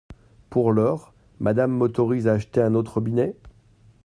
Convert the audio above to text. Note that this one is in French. Pour lors, Madame m’autorise à acheter un autre robinet ?